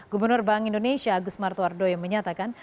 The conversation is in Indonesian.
gubernur bank indonesia agus martuardo yang menyatakan